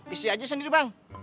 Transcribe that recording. isi aja sendiri bang